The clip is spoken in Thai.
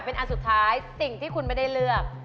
เป็นอันสุดท้ายสิ่งที่คุณไม่ได้เลือก